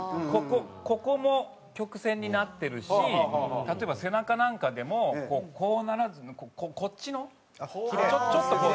ここも曲線になってるし例えば背中なんかでもこうならずにこっちのちょっとこう。